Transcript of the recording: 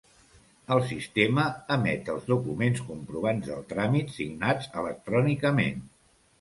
El sistema emet els documents comprovants del tràmit, signats electrònicament.